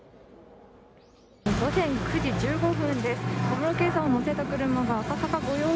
午前９時１５分